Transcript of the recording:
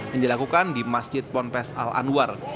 yang dilakukan di masjid ponpes al anwar